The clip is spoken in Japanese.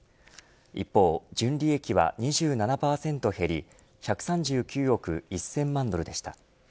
一方、純利益は２７％減り１３９億１０００万ドルでした。